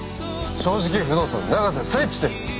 正直不動産永瀬財地です！